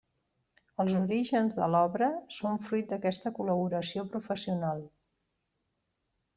Els orígens de l'obra són fruit d'aquesta col·laboració professional.